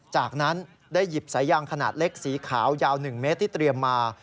จากนั้นได้หยิบสายยางขนาดเล็กสีขาวยาว๑เมตรที่เตรียมมา